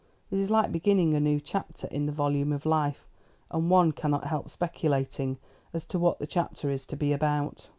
It is like beginning a new chapter in the volume of life, and one cannot help speculating as to what the chapter is to be about."